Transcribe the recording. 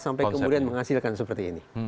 sampai kemudian menghasilkan seperti ini